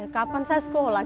kapan saya sekolah